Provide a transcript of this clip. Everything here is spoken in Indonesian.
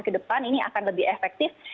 kedepan ini akan lebih efektif